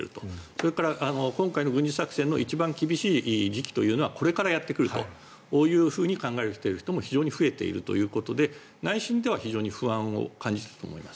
それから、今回の軍事作戦の一番厳しい時期というのはこれから来ると考える人も非常に増えているということで内心では非常に不安を感じていると思います。